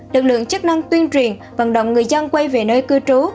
lực lượng chức năng tuyên truyền vận động người dân quay về nơi cư trú